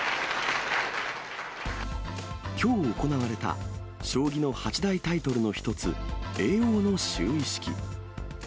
きょう行われた、将棋の八大タイトルの一つ、叡王の就位式。